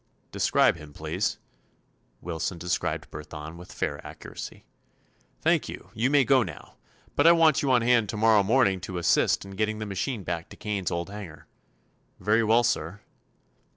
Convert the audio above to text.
"Describe him, please." Wilson described Burthon with fair accuracy. "Thank you. You may go now, but I want you on hand to morrow morning to assist in getting the machine back to Kane's old hangar." "Very well, sir."